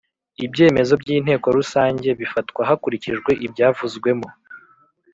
ibyemezo by inteko rusange bifatwa hakurikijwe ibyavuzwemo